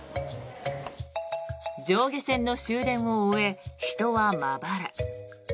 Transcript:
上下線の終電を終え人はまばら。